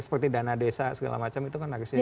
seperti dana desa segala macam itu kan harusnya